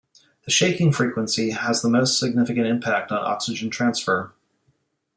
The shaking frequency has the most significant impact on oxygen transfer.